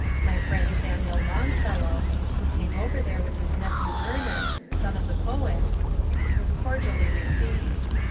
My friend Samuel Longfellow, who came over there with his nephew Ernest (son of the poet), was cordially received.